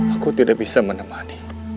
aku tidak bisa menemani